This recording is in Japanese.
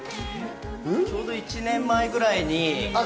ちょうど１年前くらいに。